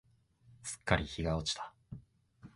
すっかり日が落ちた。